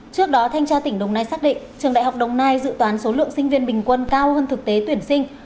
trước đó thanh tra tỉnh đồng nai xác định trường đại học đồng nai dự toán số lượng sinh viên bình quân cao hơn thực tế tuyển sinh